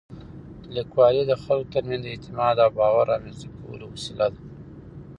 لیکوالی د خلکو تر منځ د اعتماد او باور رامنځته کولو وسیله ده.